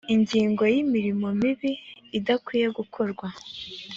ingingo ya imirimo mibi idakwiye gukorwa